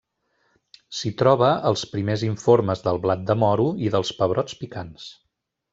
S’hi troba els primers informes del blat de moro i dels pebrots picants.